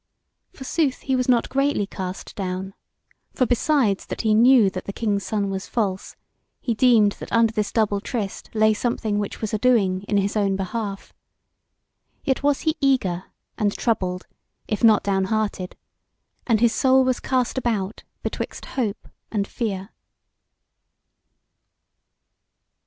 Forsooth he was not greatly cast down, for besides that he knew that the King's Son was false, he deemed that under this double tryst lay something which was a doing in his own behalf. Yet was he eager and troubled, if not down hearted, and his soul was cast about betwixt hope and fear.